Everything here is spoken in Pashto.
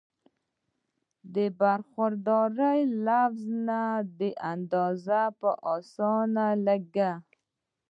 د برخوردار لفظ نه دا اندازه پۀ اسانه لګي